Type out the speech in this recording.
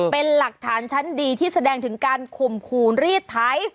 เป็นหลักฐานชั้นดีที่แสดงถึงการข่มขู่รีดไถ